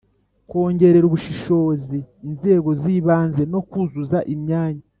Kongerera ubushibozi inzego z ibanze no kuzuza imyanya